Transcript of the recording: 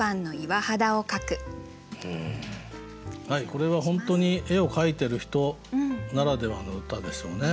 これは本当に絵を描いてる人ならではの歌ですよね。